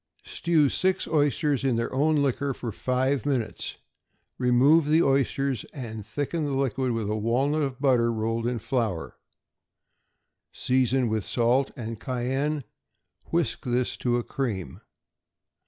= Stew six oysters in their own liquor for five minutes; remove the oysters, and thicken the liquid with a walnut of butter rolled in flour; season with salt and cayenne; whisk this to a cream.